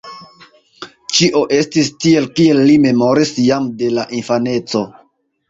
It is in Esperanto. Ĉio estis tiel, kiel li memoris jam de la infaneco.